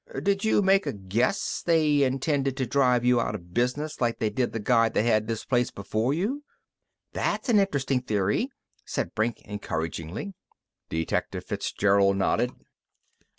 Did you make a guess they intended to drive you outta business like they did the guy that had this place before you?" "That's an interesting theory," said Brink encouragingly. Detective Fitzgerald nodded.